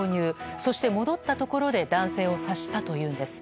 そして、戻ったところで男性を刺したというのです。